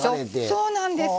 そうなんです。